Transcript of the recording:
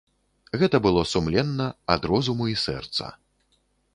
Гэта было сумленна, ад розуму і сэрца.